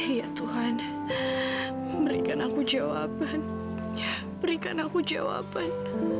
iya tuhan berikan aku jawaban berikan aku jawaban